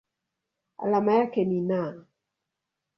Alama yake ni Na.